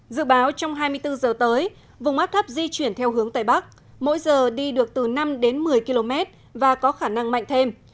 dự báo trong hai mươi bốn giờ tới vùng áp thấp di chuyển theo hướng tây bắc mỗi giờ đi được từ năm đến một mươi km và có khả năng mạnh thêm